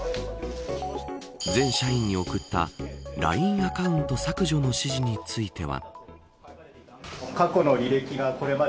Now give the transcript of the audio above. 全社員に送ったＬＩＮＥアカウント削除の指示については。